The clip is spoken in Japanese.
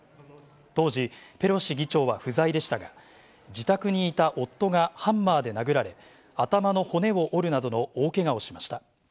当時、ペロシ議長は不在でしたが、自宅にいた夫がハンマーで殴られ、頭の骨を折るなどの大けがをしました。